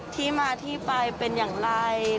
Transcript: ที่มาที่ไปเป็นอย่างไร